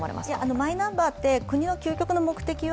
マイナンバーって国の究極の目的は